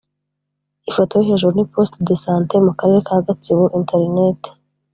Ifoto yo hejuru ni post de sante mu karere ka Gatsibo/internet